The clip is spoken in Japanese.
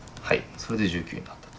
それで１９になったと。